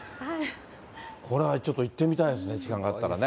これはちょっと行ってみたいですね、時間があったらね。